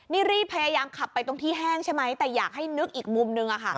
นี่รีบพยายามขับไปตรงที่แห้งใช่ไหมแต่อยากให้นึกอีกมุมนึงอะค่ะ